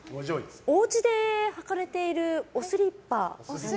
おうちで履かれているおスリッパ。